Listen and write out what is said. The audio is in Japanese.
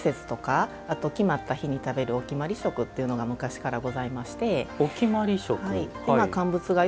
季節とかあと、決まった日に食べるお決まり食というのが昔からございまして。